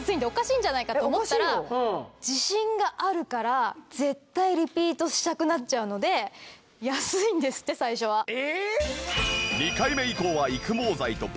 おかしいんじゃないかと思ったら自信があるから絶対リピートしたくなっちゃうので安いんですって最初は。